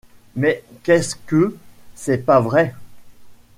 Mais qu’est-ce que– C’est pas vrai.